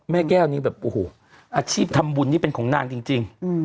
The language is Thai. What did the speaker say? แม่แก้วนี้แบบโอ้โหอาชีพทำบุญนี่เป็นของนางจริง